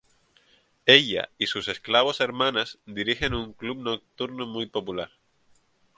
Ella y sus esclavos hermanas dirigen un club nocturno muy popular.